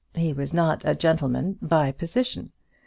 He was not a gentleman by position.